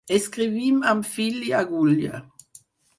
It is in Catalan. Escrivim amb fil i agulla.